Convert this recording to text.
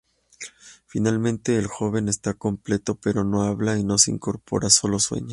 Finalmente el joven está completo, pero no habla y no se incorpora; solo sueña.